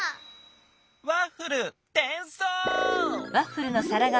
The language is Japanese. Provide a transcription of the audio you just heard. ワッフルてんそう！